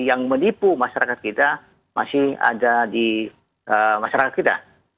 yang menipu masyarakat kita masih ada di masyarakat kita